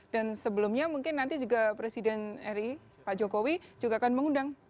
dan sebelumnya mungkin nanti juga presiden ri pak jokowi juga akan mengundang